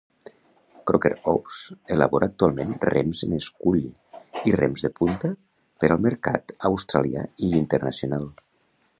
Croker Oars elabora actualment rems en scull i rems de punta per al mercat australià i internacional.